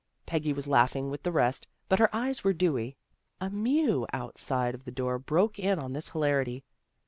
Peggy was laughing with the rest, but her eyes were dewy. A mew outside of the door broke in on this hilarity.